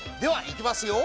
いきます。